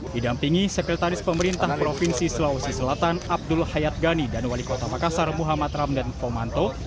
didampingi sekretaris pemerintah provinsi sulawesi selatan abdul hayat gani dan wali kota makassar muhammad ramdan pomanto